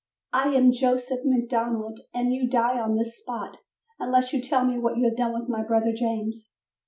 "I am Joseph McDonald, and you die on this spot unless you tell me what you have done with my brother James."